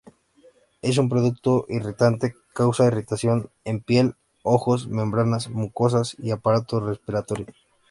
Es un producto irritante: causa irritación en piel, ojos, membranas mucosas y aparato respiratorio.